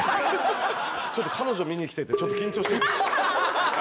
ちょっと、彼女見に来てて、ちょっと緊張して。